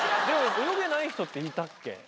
でも泳げない人っていたっけ？